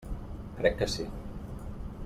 Crec que sí.